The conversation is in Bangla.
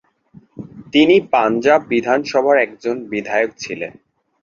তিনি পাঞ্জাব বিধানসভার একজন বিধায়ক ছিলেন।